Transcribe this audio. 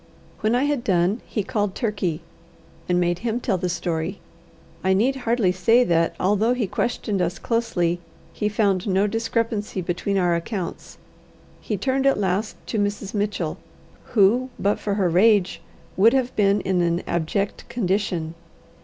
When I had done, he called Turkey, and made him tell the story. I need hardly say that, although he questioned us closely, he found no discrepancy between our accounts. He turned at last to Mrs. Mitchell, who, but for her rage, would have been in an abject condition.